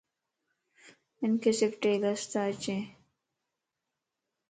ھنک صرف ٽي لفظ تا اچين